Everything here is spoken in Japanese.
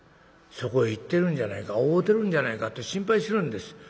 そこへ行ってるんじゃないか会うてるんじゃないかって心配してるんです。